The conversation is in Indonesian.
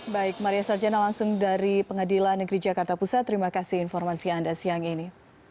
baik maria sarjana langsung dari pengadilan negeri jakarta pusat terima kasih informasi anda siang ini